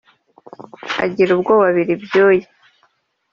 agira ubwoba abira ibyuya